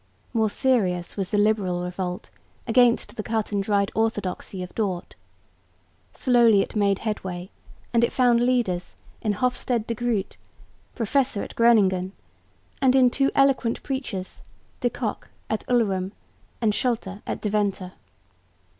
More serious was the liberal revolt against the cut and dried orthodoxy of Dort. Slowly it made headway, and it found leaders in Hofstede de Groot, professor at Groningen, and in two eloquent preachers, De Cocq at Ulrum and Scholte at Deventer.